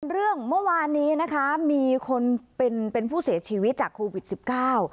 เรื่องเมื่อวานนี้นะคะมีคนเป็นเป็นผู้เสียชีวิตจากโควิดสิบเก้า